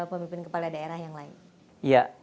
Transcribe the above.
pemimpin kepala daerah yang lain